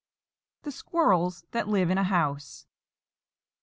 THE SQUIRRELS THAT LIVE IN A HOUSE.